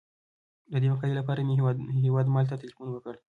د دې مقالې لپاره مې هیوادمل ته تیلفون وکړ.